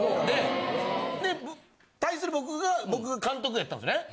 で対する僕が僕が監督やったんですね。